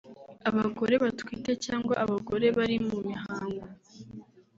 abagore batwite cg abagore bari mu mihango